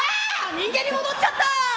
人間に戻っちゃった！